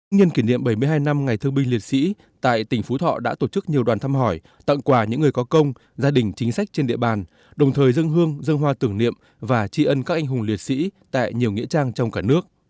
nhân kỷ niệm bảy mươi hai năm ngày thương binh liệt sĩ tại tỉnh phú thọ đã tổ chức nhiều đoàn thăm hỏi tặng quà những người có công gia đình chính sách trên địa bàn đồng thời dân hương dân hoa tưởng niệm và tri ân các anh hùng liệt sĩ tại nhiều nghĩa trang trong cả nước